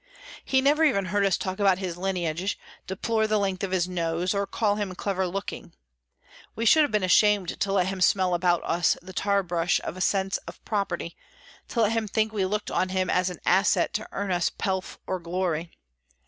He never even heard us talk about his lineage, deplore the length of his nose, or call him "clever looking." We should have been ashamed to let him smell about us the tar brush of a sense of property, to let him think we looked on him as an asset to earn us pelf or glory.